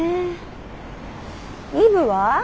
イブは？